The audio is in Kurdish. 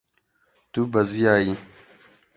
Tu beziyayî.